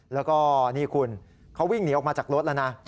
แล้วก็นี่คุณเขาวิ่งหนีออกมาจากรถแล้วนะ